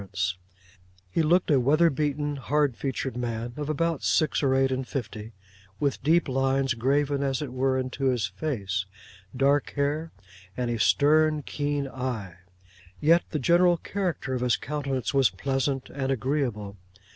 He looked a weather beaten hard featured man, of about six or eight and fifty; with deep lines graven as it were into his face, dark hair, and a stern, keen eye. Yet the general character of his countenance was pleasant and agreeable.